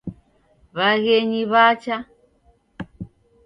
Waghenyi wacha.